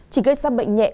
chỉ gây ra bệnh nhẹ